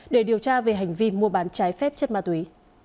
để điều tra về hành vi mua bán trái phép chất ma túy